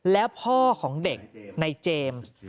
แล้วพ่อของเด็กในเจมส์